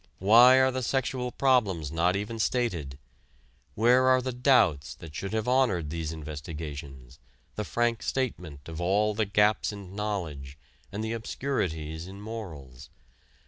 Why are the sexual problems not even stated? Where are the doubts that should have honored these investigations, the frank statement of all the gaps in knowledge, and the obscurities in morals?